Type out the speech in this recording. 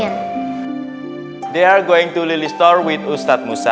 mereka akan pergi ke lili store bersama ustaz musa